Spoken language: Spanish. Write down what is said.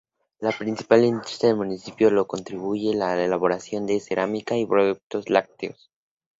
La principal industria del municipio lo constituye la elaboración de cerámica y productos lácteos.